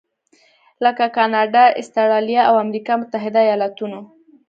لکه کاناډا، اسټرالیا او امریکا متحده ایالتونو.